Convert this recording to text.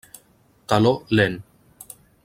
Teló lent.